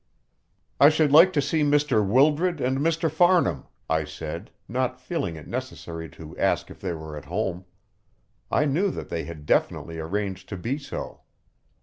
"I should like to see Mr. Wildred and Mr. Farnham," I said, not feeling it necessary to ask if they were at home. I knew that they had definitely arranged to be so.